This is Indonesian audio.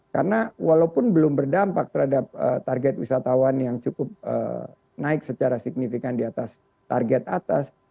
karena walaupun belum berdampak terhadap target wisatawan yang cukup naik secara signifikan di atas target atas